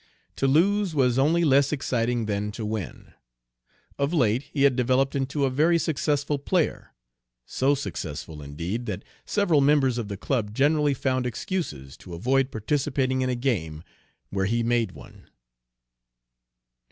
To lose was only less exciting than to win. Of late he had developed into a very successful player, so successful, indeed, that several members of the club generally found excuses to avoid participating in a game where he made one.